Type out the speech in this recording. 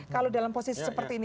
kalau dalam posisi seperti ini